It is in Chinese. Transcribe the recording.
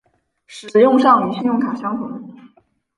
使用上与信用卡相同。